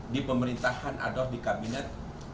di pemerintahan atau di kabinet